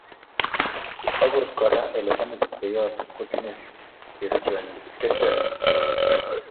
akot kora olesamis kweyot kotinye kerchonyi.